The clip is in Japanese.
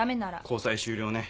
交際終了ね。